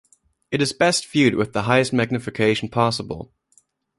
It is best viewed with the highest magnification possible.